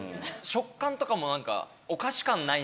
食感とかも何か。